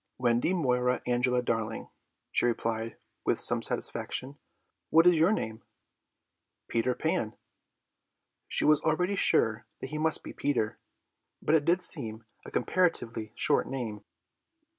"Wendy Moira Angela Darling," she replied with some satisfaction. "What is your name?" "Peter Pan." She was already sure that he must be Peter, but it did seem a comparatively short name.